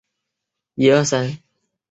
位于内藏山南麓。